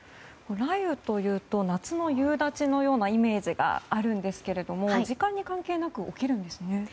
雷雨というと夏の夕立のようなイメージがあるんですけれども時間に関係なく起きるんですね。